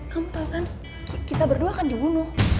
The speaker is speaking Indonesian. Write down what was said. kamu tahu kan kita berdua akan dibunuh